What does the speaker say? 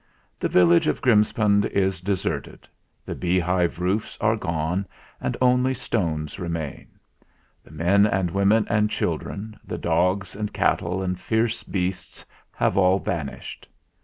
The village of Grimspound is deserted; the beehive roofs are gone and only the stones remain. The men and women and children, the dogs and cattle and fierce beasts, have all vanished.